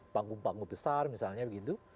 panggung panggung besar misalnya begitu